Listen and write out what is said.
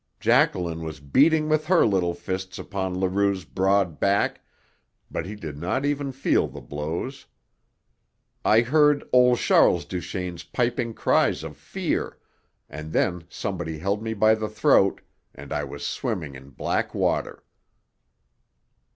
Jacqueline was beating with her little fists upon Leroux's broad back, but he did not even feel the blows. I heard old Charles Duchaine's piping cries of fear, and then somebody held me by the throat, and I was swimming in black water.